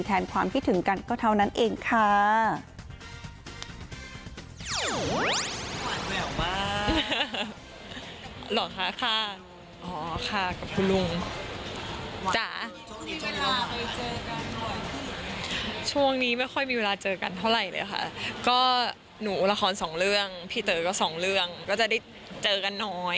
ความคิดถึงกันก็เท่านั้นเองค่ะ